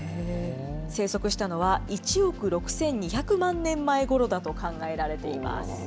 生息したのは、１億６２００万年前ごろだと考えられています。